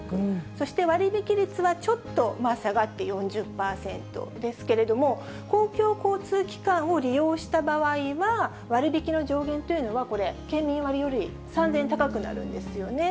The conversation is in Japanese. そして割引率はちょっと下がって４０％ですけれども、公共交通機関を利用した場合は、割引の上限というのはこれ、県民割より３０００円高くなるんですよね。